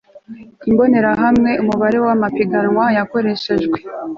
imbonerahamwe umubare w amapiganwa yakoreshejwe